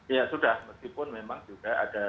ya sudah meskipun memang juga ada